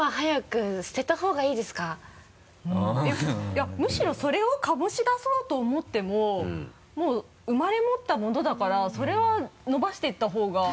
いやむしろそれを醸し出そうと思ってももう生まれ持ったものだからそれは伸ばしていった方が。